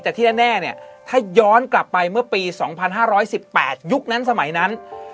แต่ที่แน่เนี่ยถ้าย้อนกลับไปเมื่อปี๒๕๑๘ยุคนั้นสมัยนั้น